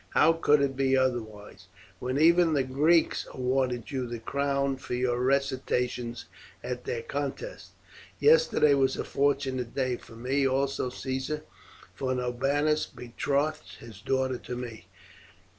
How could it be otherwise, when even the Greeks awarded you the crown for your recitations at their contests? Yesterday was a fortunate day for me, also, Caesar, for Norbanus betrothed his daughter to me."